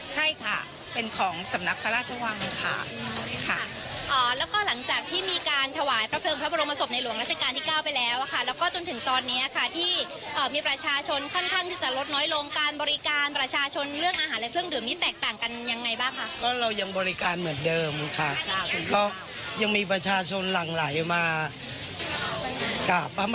ใช่ค่ะเป็นของสำนักพระราชวังค่ะค่ะแล้วก็หลังจากที่มีการถวายพระเพลิงพระบรมศพในหลวงราชการที่เก้าไปแล้วอะค่ะแล้วก็จนถึงตอนนี้ค่ะที่มีประชาชนค่อนข้างที่จะลดน้อยลงการบริการประชาชนเรื่องอาหารและเครื่องดื่มนี้แตกต่างกันยังไงบ้างคะก็เรายังบริการเหมือนเดิมค่ะก็ยังมีประชาชนหลั่งไหลมาก